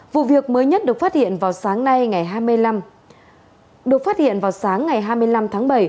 vụ việc mới nhất được phát hiện vào sáng nay ngày hai mươi năm tháng bảy